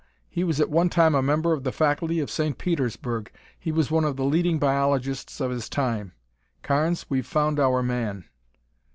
He was at one time a member of the faculty of St. Petersburg. He was one of the leading biologists of his time. Carnes, we've found our man."